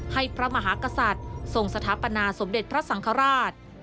พระมหากษัตริย์ทรงสถาปนาสมเด็จพระสังฆราช